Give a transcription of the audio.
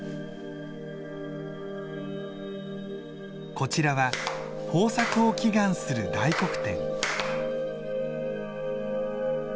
こちらは豊作を祈願する大黒天。